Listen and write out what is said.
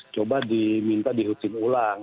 coba diminta dihutin ulang